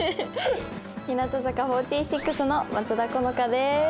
日向坂４６の松田好花です。